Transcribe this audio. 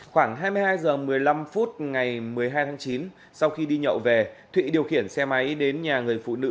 khoảng hai mươi hai h một mươi năm phút ngày một mươi hai tháng chín sau khi đi nhậu về thụy điều khiển xe máy đến nhà người phụ nữ